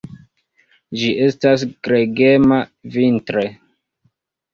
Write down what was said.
Ĝi estas gregema vintre.